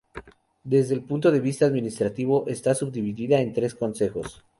Desde el punto de vista administrativo está subdividida en tres concejos.